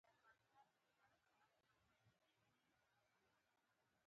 ګرګين ولاړ شو، زانګې وانګې برنډې ته ووت.